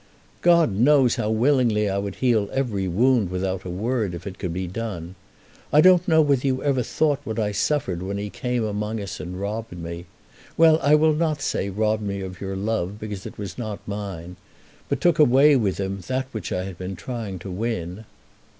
"God knows how willingly I would heal every wound without a word if it could be done. I don't know whether you ever thought what I suffered when he came among us and robbed me, well, I will not say robbed me of your love, because it was not mine but took away with him that which I had been trying to win."